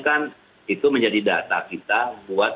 kan itu menjadi data kita buat